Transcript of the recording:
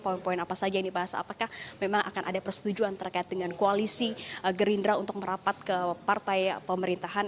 poin poin apa saja yang dibahas apakah memang akan ada persetujuan terkait dengan koalisi gerindra untuk merapat ke partai pemerintahan